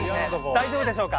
大丈夫でしょうか？